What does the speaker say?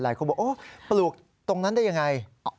เขาบอกปลูกตรงนั้นได้อย่างไร